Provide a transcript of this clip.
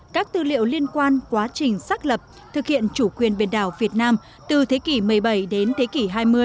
các tư liệu liên quan quá trình xác lập thực hiện chủ quyền biển đảo việt nam từ thế kỷ một mươi bảy đến thế kỷ hai mươi